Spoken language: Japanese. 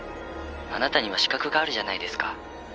「あなたには資格があるじゃないですか」